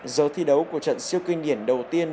giờ thi đấu của trận siêu kinh điển đầu tiên